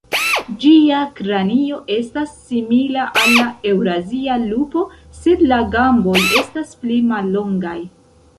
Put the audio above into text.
Ĝia kranio estas simila al la eŭrazia lupo, sed la gamboj estas pli mallongaj.